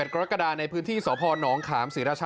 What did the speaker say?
๒๑กรกฎาในพื้นที่สอพรน้องขามสือราชาว